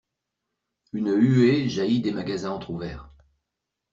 Une huée jaillit des magasins entr'ouverts.